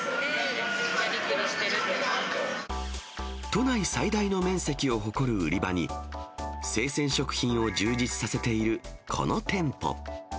都内最大の面積を誇る売り場に、生鮮食品を充実させているこの店舗。